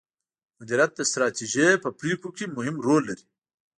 مديريت د ستراتیژۍ په پریکړو کې مهم رول لري.